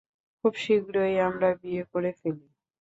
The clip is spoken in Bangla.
খুব শীঘ্রই আমরা বিয়ে করে ফেলি।